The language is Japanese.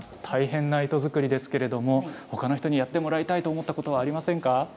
大変な糸作りですけれどもほかの人にやってもらいたいと思ったことはありませんか？